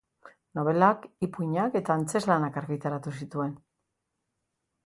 Nobelak, ipuinak eta antzezlanak argitaratu zituen.